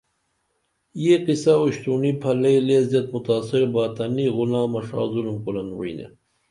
یے قصہ اُشترونی پھلئی لے زیت متاثر با تنی غُلامہ ڜا ظُلُمُ کُرن وعینے